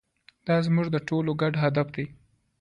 دا زموږ د ټولو ګډ هدف دی.